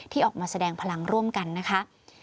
ออกมาแสดงพลังร่วมกันนะคะ